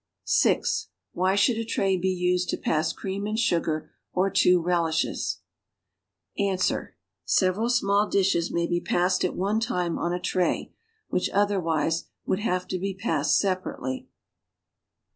(6) W^hy should a tray be used to pass cream and sugar or two relishes? Ans. Several small dishes may be passed at one time on a tray, which, otherwise, would have to be passed separately.